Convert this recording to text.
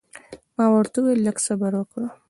ما ورته وویل لږ صبر وکړه.